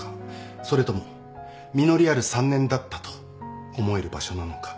それとも実りある３年だったと思える場所なのか。